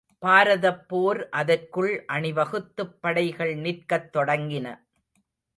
பாரதப் போர் அதற்குள் அணிவகுத்துப் படைகள் நிற்கத் தொடங்கின.